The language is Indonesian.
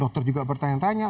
doktor juga bertanya tanya